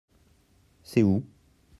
C’est où ?